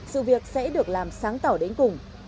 sự việc sẽ được làm sáng tỏa đến cùng